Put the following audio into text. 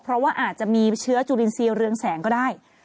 เพราะว่าอาจจะมีเชื้อจุลินทรีย์เรืองแสงก็ได้